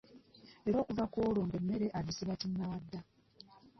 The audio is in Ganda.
Era okuva kw'olwo ng'emmere agisiba kinnawadda.